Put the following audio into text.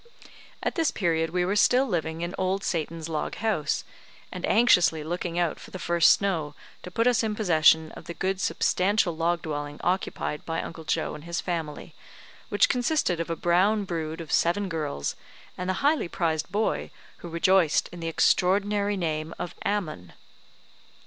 At this period we were still living in Old Satan's log house, and anxiously looking out for the first snow to put us in possession of the good substantial log dwelling occupied by Uncle Joe and his family, which consisted of a brown brood of seven girls, and the highly prized boy who rejoiced in the extraordinary name of Ammon.